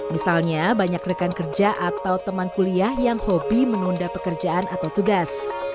misalnya banyak rekan kerja atau teman kuliah yang hobi menunda pekerjaan atau tugas